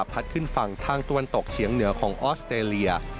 ขึ้นฝั่งทางตะวันตกเฉียงเหนือของออสเตรเลีย